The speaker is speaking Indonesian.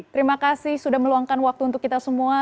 terima kasih sudah meluangkan waktu untuk kita semua